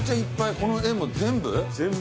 この絵も全部？